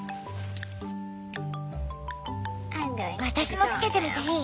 私もつけてみていい？